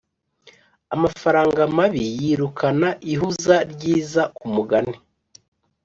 amafaranga mabi yirukana ihuza ryiza kumugani